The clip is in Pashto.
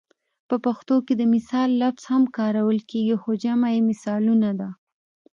په پښتو کې د مثال لفظ هم کارول کیږي خو جمع یې مثالونه ده